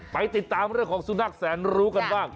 ไปติดตามเรื่องของสุนัขแสนรู้กันบ้าง